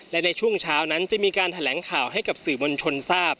และในช่วงเช้านั้นจะมีการแถลงข่าวให้กับสื่อมวลชนทราบ